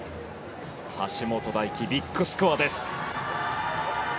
橋本大輝、ビッグスコアです。